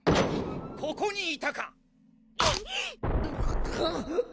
ここにいたか！